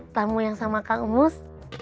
tamu yang sama kang umus